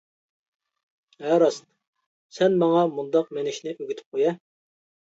ھە راست، سەن ماڭا مۇنداق مىنىشنى ئۆگىتىپ قويە.